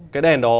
cái đèn đó